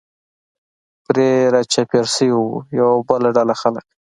پرې را چاپېر شوي و، یوه بله ډله خلک.